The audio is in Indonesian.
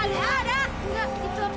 ya allah ya allah